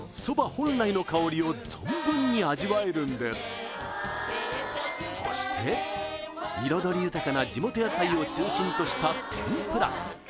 本来の香りを存分に味わえるんですそして彩り豊かな地元野菜を中心とした天ぷら